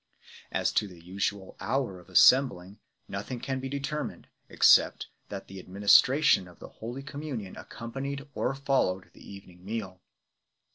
As to the usual hour of assembling nothing can be determined, except that the administra tion of Holy Communion accompanied or followed the evening meal.